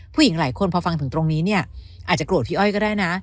ผู้หญิงหลายคนพอฟังถึงตรงนี้เนี่ยอาจจะโกรธพี่อ้อยก็ได้นะ